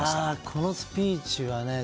このスピーチはね。